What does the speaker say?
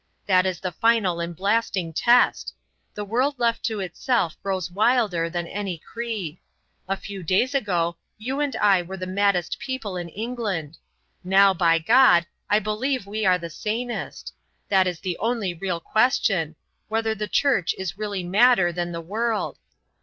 That is the final and blasting test. The world left to itself grows wilder than any creed. A few days ago you and I were the maddest people in England. Now, by God! I believe we are the sanest. That is the only real question whether the Church is really madder than the world.